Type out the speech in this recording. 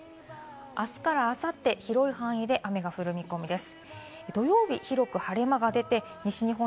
あすからあさって広い範囲で雨が降る見込みです。